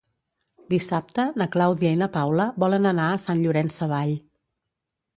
Dissabte na Clàudia i na Paula volen anar a Sant Llorenç Savall.